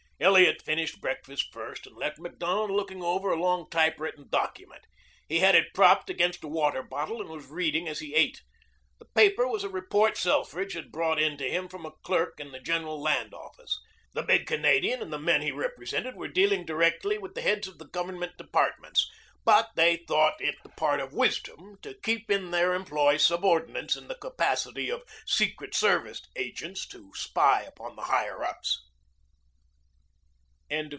Elliot finished breakfast first and left Macdonald looking over a long typewritten document. He had it propped against a water bottle and was reading as he ate. The paper was a report Selfridge had brought in to him from a clerk in the General Land Office. The big Canadian and the men he represented were dealing directly with the heads of the Government departments, but they thought it the part of wisdom to keep in their employ subordinates in the capacity of secret service agents to spy upon the higher ups.